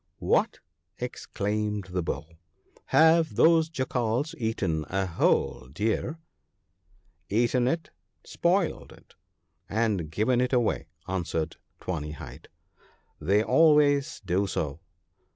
* What !' exclaimed the Bull, ' have those Jackals eaten a whole deer ?' 'Eaten it, spoiled it, and given it away,' answered Tawny hide ;' they always do so.'